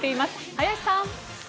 林さん。